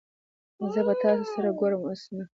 زه به تاسو سره ګورم اوس نه